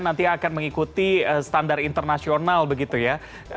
nanti akan mengikuti standar internasional begitu ya